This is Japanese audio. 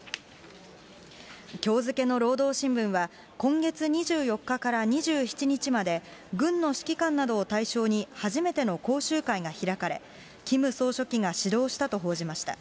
きょう付けの労働新聞は、今月２４日から２７日まで、軍の指揮官などを対象に、初めての講習会が開かれ、キム総書記が指導したと報じました。